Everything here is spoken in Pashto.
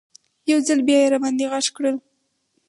یو ځل بیا یې راباندې غږ کړل.